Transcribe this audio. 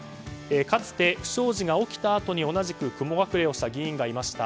かつて不祥事が起きたあとに同じく雲隠れした議員がいました。